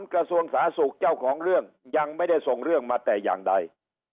กระทรวงสาธารณสุขเจ้าของเรื่องยังไม่ได้ส่งเรื่องมาแต่อย่างใด